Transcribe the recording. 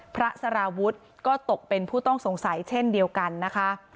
สารวุฒิก็ตกเป็นผู้ต้องสงสัยเช่นเดียวกันนะคะ